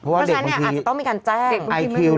เพราะฉะนั้นเนี่ยอาจจะต้องมีการแจ้ง